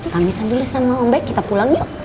pamitan dulu sama om baik kita pulang yuk